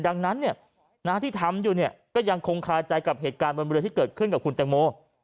ดังนั้นที่ทำอยู่เนี่ยก็ยังคงคาใจกับเหตุการณ์บนเรือที่เกิดขึ้นกับคุณแตงโม